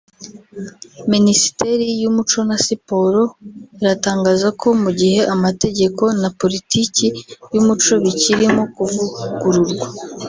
Minisiteri y’Umuco na Siporo iratangaza ko mu gihe amategeko na politiki y’umuco bikirimo kuvugururwa